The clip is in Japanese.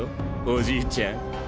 おじいちゃん。